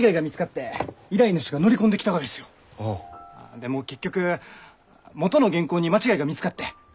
でも結局元の原稿に間違いが見つかって依頼主がやり直し。